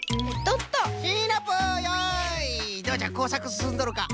どうじゃこうさくすすんどるか？